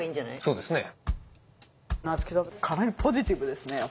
そうですね。